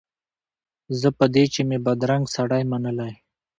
زه په دې چي مي بدرنګ سړی منلی